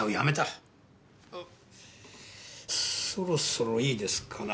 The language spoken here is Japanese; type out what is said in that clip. あそろそろいいですかな？